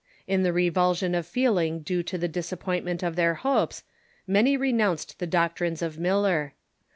In the revulsion of feeling due to the disap pointment of their hopes, many renounced the doctrines of Mil ler.